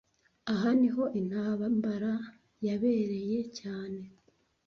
Aha niho intambara yabereye cyane